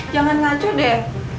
jangan laco deh